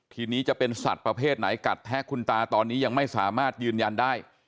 ทีนี้จะเป็นสัตว์ประเภทไหนกัดแทะคุณตาตอนนี้ยังไม่สามารถยืนยันได้